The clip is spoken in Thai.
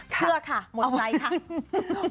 เชื่อค่ะหมดไลค์ค่ะ